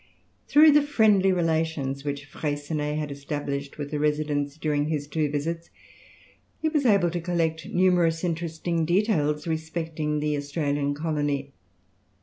Through the friendly relations which Freycinet had established with the residents during his two visits, he was able to collect numerous interesting details respecting the Australian colony.